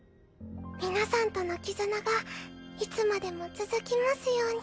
皆さんとの絆がいつまでも続きますように。